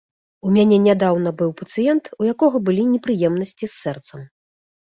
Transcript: У мяне нядаўна быў пацыент, у якога былі непрыемнасці з сэрцам.